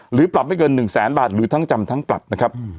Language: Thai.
หรือปรับไม่เกิน๑แสนบาทหรือทั้งจำทั้งปรับนะครับ